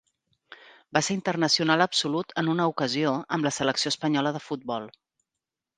Va ser internacional absolut en una ocasió amb la selecció espanyola de futbol.